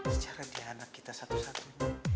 secara dia anak kita satu satunya